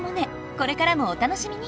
これからもお楽しみに！